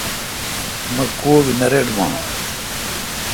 مہ کوب نہ رٹ باں۔